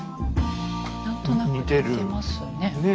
何となく似てますね。